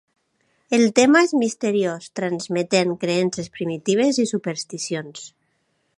El tema és misteriós transmetent creences primitives i supersticions.